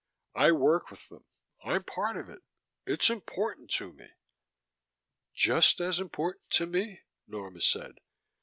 "I work with them. I'm part of it. It's important to me." "Just as important to me," Norma said.